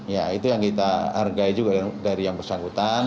ya itu yang kita hargai juga dari yang bersangkutan